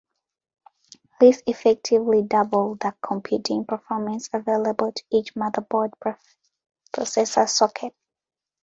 This effectively doubled the computing performance available to each motherboard processor socket.